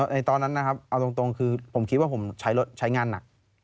ตอนนั้นนะครับเอาตรงคือผมคิดว่าผมใช้งานหนัก